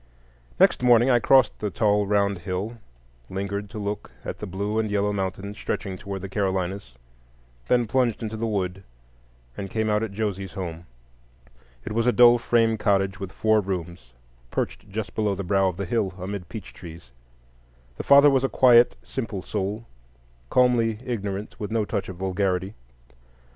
Next morning I crossed the tall round hill, lingered to look at the blue and yellow mountains stretching toward the Carolinas, then plunged into the wood, and came out at Josie's home. It was a dull frame cottage with four rooms, perched just below the brow of the hill, amid peach trees. The father was a quiet, simple soul, calmly ignorant, with no touch of vulgarity.